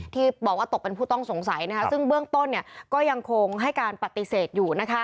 ที่บอกว่าตกเป็นผู้ต้องสงสัยซึ่งเบื้องต้นก็ยังคงให้การปฏิเสธอยู่นะคะ